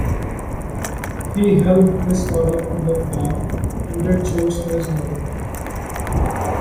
He helped his father on the farm and did chores for his mother.